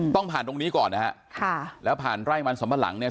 ต้องผ่านตรงนี้ก่อนนะฮะค่ะแล้วผ่านไร่มันสำปะหลังเนี่ย